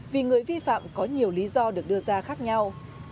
vì người vi phạm có nhiều lý do được đưa ra khác nhau